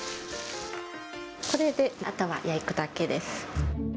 これで、あとは焼くだけです。